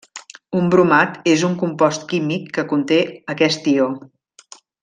Un bromat és un compost químic que conté aquest ió.